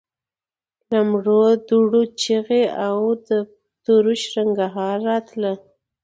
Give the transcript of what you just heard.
له مړو دوړو چيغې او د تورو شرنګا راتله.